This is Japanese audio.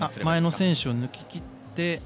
前の選手を抜き切って。